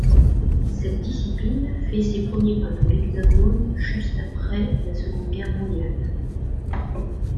Cette discipline fait ses premiers pas dans l'hexagone juste après la Seconde Guerre mondiale.